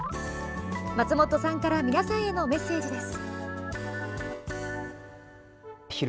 松本さんから皆さんへのメッセージです。